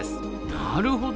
なるほど。